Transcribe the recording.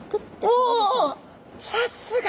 おさすが！